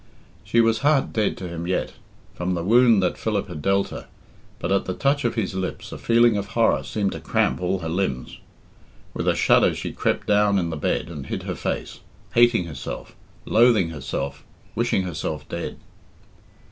She was heart dead to him yet, from the wound that Philip had dealt her, but at the touch of his lips a feeling of horror seemed to cramp all her limbs. With a shudder she crept down in the bed and hid her face, hating herself, loathing herself, wishing herself dead.